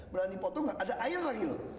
berani potong nggak ada air lagi loh